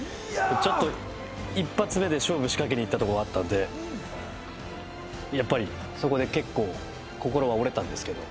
ちょっと一発目で勝負仕掛けにいったとこはあったんでやっぱりそこで結構心は折れたんですけど